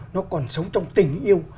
nó còn sống trong tình yêu